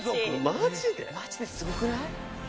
マジですごくない？